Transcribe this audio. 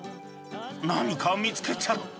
何か見つけちゃった。